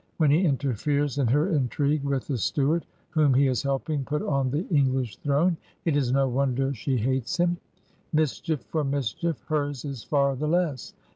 When he interferes in her intrigue with the Stuart whom he is helping put on the English throne, it is no wonder she hates him: mischief for mischief, hers is far the less.